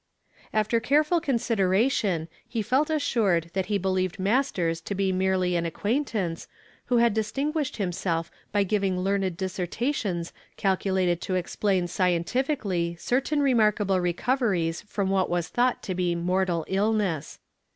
After careful consideration, he felt assured that he believed Mastei s to be merely an acquaintance, who had distinguished himself by giving learned dissertations calculated to explain scientifically certain remarkable recoveries from what was thought to be mortal illness.